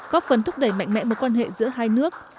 góp phần thúc đẩy mạnh mẽ mối quan hệ giữa hai nước